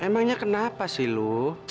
emangnya kenapa sih lu